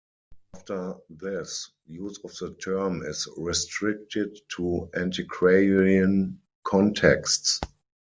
After this, use of the term is restricted to antiquarian contexts.